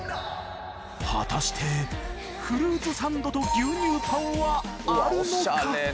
果たしてフルーツサンドと牛乳パンはあるのか？